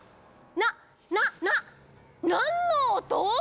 ななななんのおと？